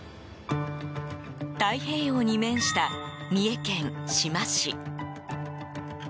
太平洋に面した三重県志摩市。